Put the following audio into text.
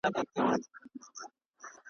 ته به لېري په پټي کي خپل واښه کړې .